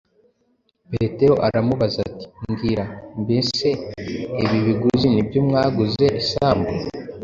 Petero aramubaza ati “Mbwira; mbese ibi biguzi ni byo mwaguze isambu?”